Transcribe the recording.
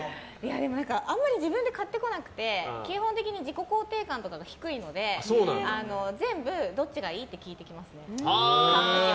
あんまり自分で買ってこなくて基本的に自己肯定感とかが低いので全部、どっちがいい？って聞いてきますね。